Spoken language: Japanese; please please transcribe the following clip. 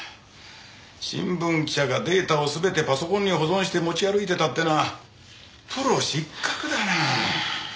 新聞記者がデータを全てパソコンに保存して持ち歩いてたってのはプロ失格だな。